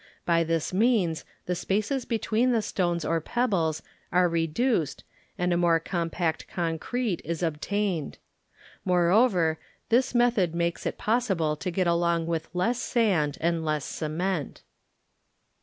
By this means the spaces be tween the stones or pebbles are reduced and a more compact concrete is ob tained. Moreover, this method makes it possible to get along with less sand and less cement.